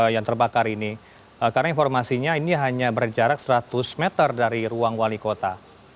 dan terbakar ini karena informasinya ini hanya berjarak seratus meter dari ruang wali kota